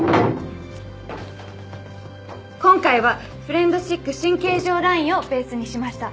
今回はフレンドシック新形状ラインをベースにしました。